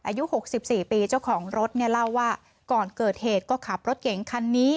อายุ๖๔ปีเจ้าของรถเนี่ยเล่าว่าก่อนเกิดเหตุก็ขับรถเก๋งคันนี้